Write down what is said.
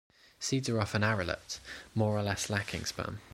Seeds are often arillate, more or less lacking sperm.